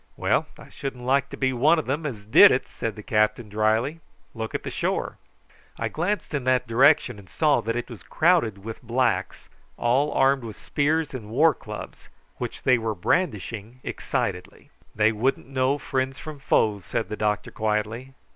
"Well, I shouldn't like to be one of them as did it," said the captain drily. "Look at the shore." I glanced in that direction and saw that it was crowded with blacks, all armed with spears and war clubs, which they were brandishing excitedly. "They wouldn't know friends from foes," said the doctor quietly.